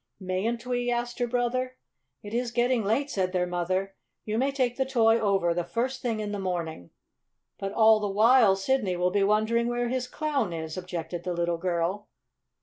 "Mayn't we?" asked her brother. "It is getting late," said their mother. "You may take the toy over the first thing in the morning." "But all the while Sidney will be wondering where his Clown is," objected the little girl.